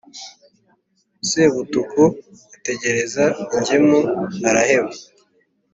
Sebutuku ategereza ingemu araheba.